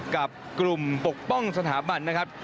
กับกลุ่มปกป้องสถาบันนะครับ